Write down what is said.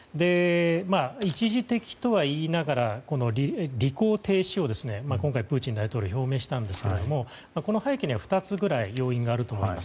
一時的とは言いながら履行停止を今回、プーチン大統領は表明したんですけどもこの背景には２つぐらい要因があると思います。